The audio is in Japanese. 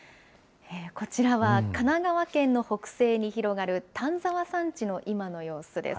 こちらは神奈川県の北西に広がる丹沢山地の今の様子です。